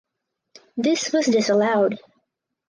This was disallowed.